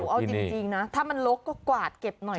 เอาจริงนะถ้ามันลกก็กวาดเก็บหน่อย